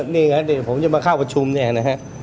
นี่ไงเดี๋ยวผมจะมาเข้าประชุมเนี่ยนะฮะ